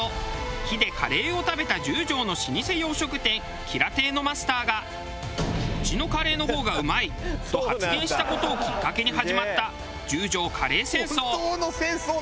「ひ」でカレーを食べた十条の老舗洋食店吉良亭のマスターが「うちのカレーの方がうまい」と発言した事をきっかけに始まった十条カレー戦争。